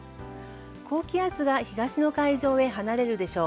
高気圧は、東の海上へ離れるでしょう。